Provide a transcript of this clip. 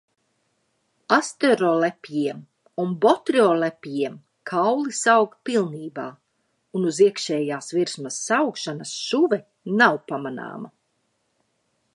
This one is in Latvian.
Asterolepjiem un botriolepjiem kauli saaug pilnībā un uz iekšējās virsmas saaugšanas šuve nav pamanāma.